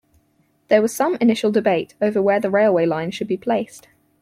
There was some initial debate over where the railway line should be placed.